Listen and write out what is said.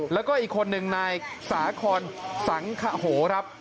แล้วก็อีกคนนึงนายสาคอนสังขโหครับ